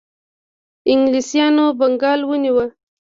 انګلیسانو بنګال ونیو.